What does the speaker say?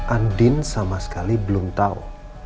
andin sama sekali belum tahu